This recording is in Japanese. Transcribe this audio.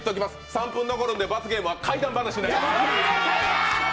３分残るんで罰ゲームは怪談話になります。